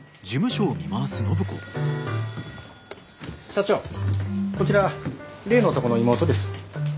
社長こちら例の男の妹です。